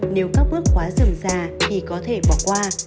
nếu các bước quá dừng già thì có thể bỏ qua